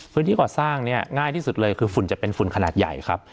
พื้นที่ก่อสร้างเนี่ยง่ายที่สุดเลยคือฝุ่นจะเป็นฝุ่นขนาดใหญ่ครับ